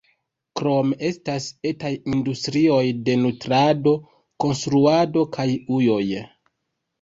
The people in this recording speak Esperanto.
Krome estas etaj industrioj de nutrado, konstruado kaj ujoj.